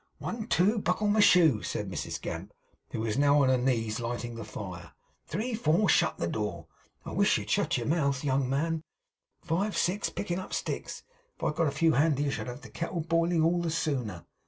"One, two, buckle my shoe,"' said Mrs Gamp, who was now on her knees, lighting the fire, "three, four, shut the door," I wish you'd shut your mouth, young man "five, six, picking up sticks." If I'd got a few handy, I should have the kettle boiling all the sooner.